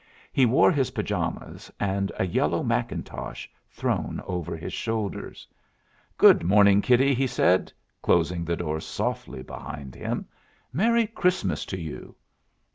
He wore his pajamas, and a yellow mackintosh thrown over his shoulders. "Good morning, kiddie," he said, closing the door softly behind him. "Merry Christmas to you!"